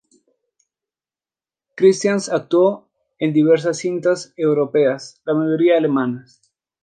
Christians actuó en diversas cintas europeas, la mayoría alemanas.